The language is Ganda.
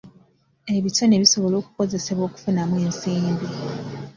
Ebitone bisobola okukozesebwa okufunamu ensimbi .